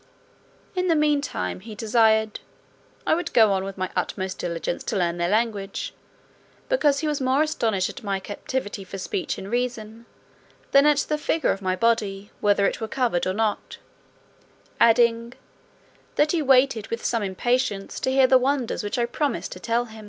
In the meantime, he desired "I would go on with my utmost diligence to learn their language, because he was more astonished at my capacity for speech and reason, than at the figure of my body, whether it were covered or not;" adding, "that he waited with some impatience to hear the wonders which I promised to tell him."